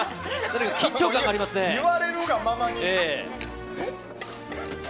言われるがままに。